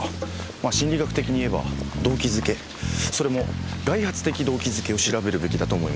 まあ心理学的にいえば動機づけそれも外発的動機づけを調べるべきだと思います。